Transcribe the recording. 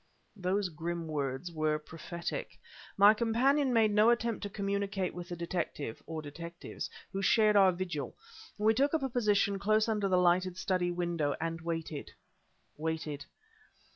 Those grim words were prophetic. My companion made no attempt to communicate with the detective (or detectives) who shared our vigil; we took up a position close under the lighted study window and waited waited.